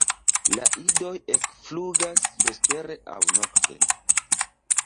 La idoj ekflugas vespere aŭ nokte.